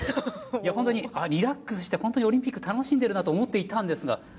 いやリラックスしてほんとにオリンピック楽しんでるなと思っていたんですが。